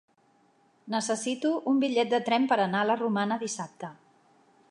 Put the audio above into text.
Necessito un bitllet de tren per anar a la Romana dissabte.